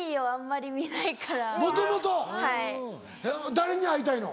誰に会いたいの？